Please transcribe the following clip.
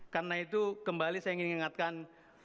karena itu kembali saya ingin mengingatkan